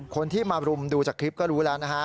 คนที่มารุมดูจากคลิปก็รู้แล้วนะฮะ